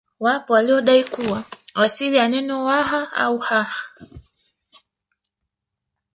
Wapo waliodai kuwa asili ya neno Waha au Ha